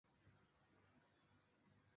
蕨萁为阴地蕨科阴地蕨属下的一个种。